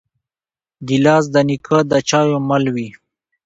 ګیلاس د نیکه د چایو مل وي.